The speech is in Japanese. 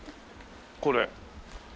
これ。